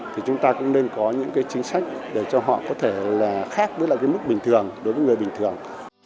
thì chúng ta cũng nên có những chính sách để cho họ có thể khác với mức bình thường đối với người bình thường